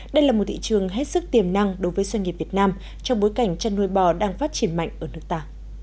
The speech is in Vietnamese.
đây là một thị trường hết sức tiềm năng đối với doanh nghiệp việt nam trong bối cảnh chăn nuôi bò đang phát triển mạnh ở nước ta